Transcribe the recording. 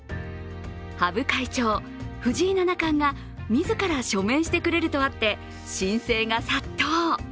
羽生会長、藤井七冠が自ら署名してくれるとあって申請が殺到。